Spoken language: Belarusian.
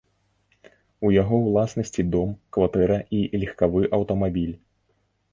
У яго ўласнасці дом, кватэра і легкавы аўтамабіль.